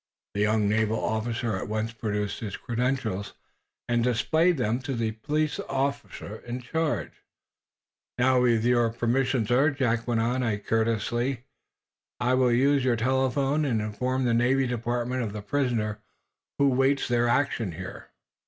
The young naval officer at once produced his credentials and displayed them to the police official in charge. "Now, with your permission, sir," Jack went on, courteously, "I will use your telephone, and inform the Navy Department of the prisoner who awaits their action here."